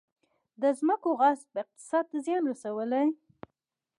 د ځمکو غصب اقتصاد ته زیان رسولی؟